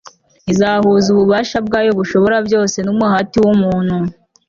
izahuza ububasha bwayo bushobora byose numuhati wumuntu